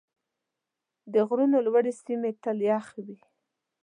د غرونو لوړې سیمې تل یخ وي.